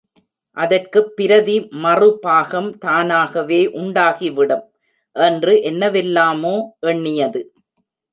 அதற்குப் பிரதி மறு பாகம் தானாகவே உண்டாகிவிடும்... என்று என்னவெல்லாமோ எண்ணியது.